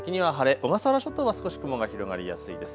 小笠原諸島は少し雲が広がりやすいです。